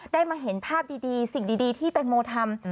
ได้มาเห็นภาพดีสิ่งดีที่แตงโมทำ